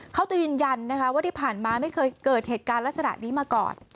เขาจะยืนยันนะคะว่าที่ผ่านมาไม่เคยเกิดเหตุการณ์ลักษณะนี้มาก่อน